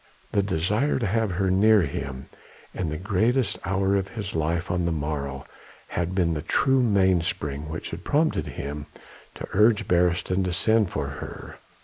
The desire to have her near him in the greatest hour of his life on the morrow, had been the true mainspring which had prompted him to urge Beresteyn to send for her.